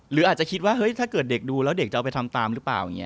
หรืออาจจะคิดว่าเฮ้ยถ้าเกิดเด็กดูแล้วเด็กจะเอาไปทำตามหรือเปล่าอย่างนี้